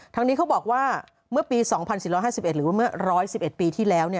ทั้งนี้เขาบอกว่าเมื่อปี๒๔๕๑หรือว่าเมื่อร้อยสิบเอ็ดปีที่แล้ว